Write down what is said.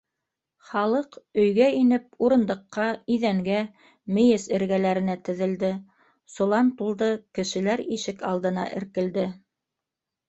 Халыҡ, өйгә инеп, урындыҡҡа, иҙәнгә, мейес эргәләренә теҙелде, солан тулды, кешеләр ишек алдына эркелде.